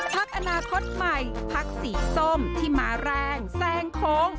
พักอนาคตใหม่พักสีส้มที่มาแรงแซงโค้ง